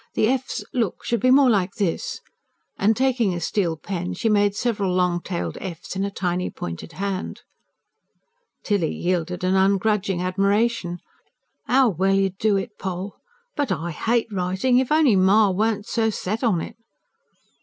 The f's, look, should be more like this." And taking a steel pen she made several long tailed f's, in a tiny, pointed hand. Tilly yielded an ungrudging admiration. "'Ow well you do it, Poll! But I HATE writing. If only ma weren't so set on it!"